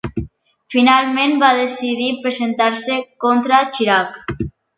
Finalment va decidir presentar-se contra Chirac.